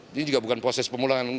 ini juga bukan proses pemulangan